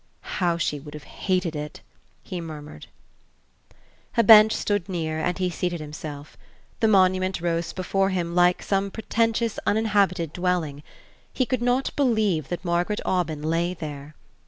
"How she would have hated it!" he murmured. A bench stood near and he seated himself. The monument rose before him like some pretentious uninhabited dwelling; he could not believe that Margaret Aubyn lay there.